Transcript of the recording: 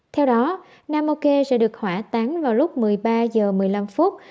theo đó namokê sẽ được hỏa tán vào lúc một mươi ba giờ một mươi năm phút